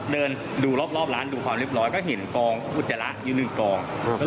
เดินดูรอบร้านดูความเรียบร้อยก็เห็นกองอุจจาระอยู่หนึ่งกอง